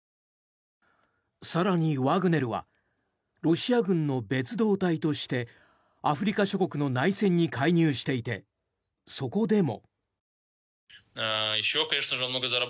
更にワグネルはロシア軍の別動隊としてアフリカ諸国の内戦に介入していてそこでも。